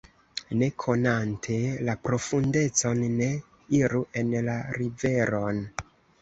Ne konante la profundecon, ne iru en la riveron.